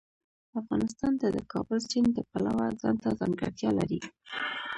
افغانستان د د کابل سیند د پلوه ځانته ځانګړتیا لري.